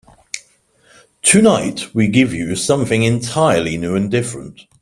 Tonight we give you something entirely new and different.